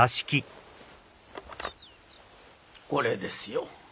これですよ。